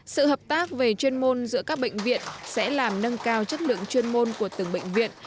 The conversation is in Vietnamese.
sự hợp tác về chuyên môn giữa các bệnh viện sẽ làm nâng cao chất lượng chuyên môn của từng bệnh viện